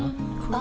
あ！